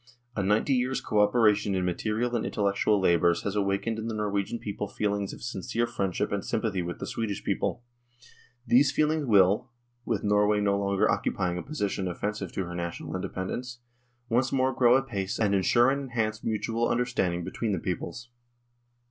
... A ninety years' co operation in material and intellectual labours has awakened in the Nor wegian people feelings of sincere friendship and sympathy with the Swedish people. These feelings THE DISSOLUTION OF THE UNION will, with Norway no longer occupying a position offensive to her national independence, once more grow apace and ensure and enhance mutual under standing between the peoples.